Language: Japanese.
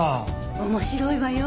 面白いわよ。